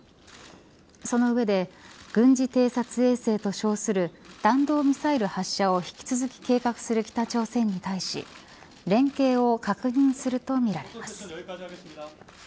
その上で軍事偵察衛星と称する弾道ミサイル発射を引き続き計画する北朝鮮に対し連携を確認するとみられます。